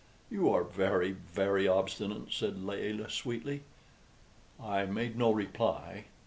"You are very, very obstinate," said Layelah, sweetly. I made no reply.